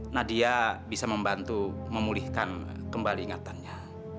nadia bisa membantu memulihkan kembali ingatannya